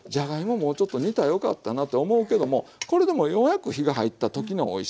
もうちょっと煮たらよかったなと思うけどもこれでもようやく火が入った時のおいしさ。